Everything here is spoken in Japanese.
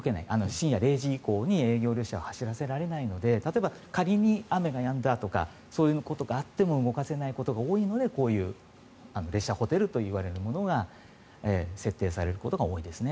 深夜０時以降に営業列車を走らせられないので例えば仮に雨がやんだとかそういうことがあっても動かせないことが多いのでこういう列車ホテルといわれるものが設定されることが多いですね。